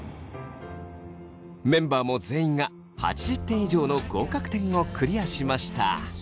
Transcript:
メンバーも全員が８０点以上の合格点をクリアしました。